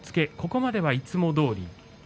ここまではいつもどおり。